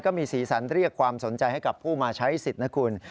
สีสันเรียกความสนใจให้กับผู้มาใช้สิทธิ์นะคุณ